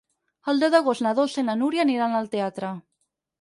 El deu d'agost na Dolça i na Núria aniran al teatre.